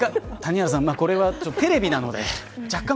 これはテレビなので。